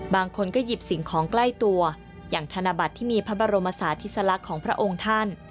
บางคนก็หยิบสิ่งของใกล้ตัวอย่างธนบัตรที่มีพระบรมศาสติสลักษณ์ของพระองค์ท่าน